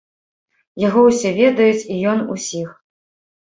Яго ўсе ведаюць і ён усіх.